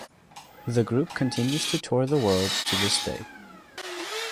The group continues to tour the world to this day.